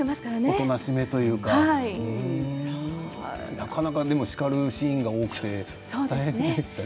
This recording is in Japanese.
大人しめというかなかなか叱るシーンが多くて大変でしたね。